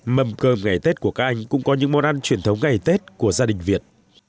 mâm cơm ngày tết của các anh cũng có những món ăn truyền thống ngày tết của gia đình việt